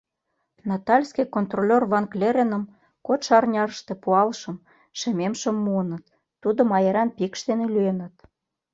Натальский контролёр Ван-Клереным кодшо арняште пуалшым, шемемшым муыныт, тудым аяран пикш дене лӱеныт.